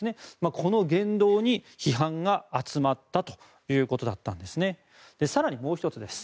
この言動に批判が集まったということだったんですね。